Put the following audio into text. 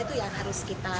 itu yang harus kita lawan ya